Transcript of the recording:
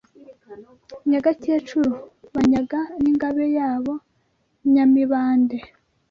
Nyagakecuru “Banyaga n’Ingabe yabo “Nyamibande